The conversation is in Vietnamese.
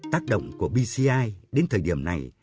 tác động của p side đến thời điểm này